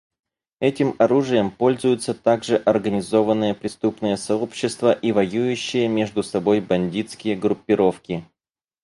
Этим оружием пользуются также организованные преступные сообщества и воюющие между собой бандитские группировки.